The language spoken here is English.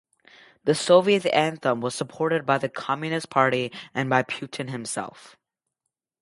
The Soviet anthem was supported by the Communist Party and by Putin himself.